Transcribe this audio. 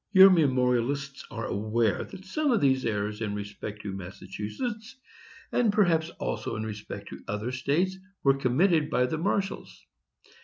"Your memorialists are aware that some of these errors in respect to Massachusetts, and perhaps also in respect to other states, were committed by the marshals.